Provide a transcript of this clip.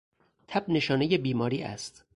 تب نشانهی بیماری است.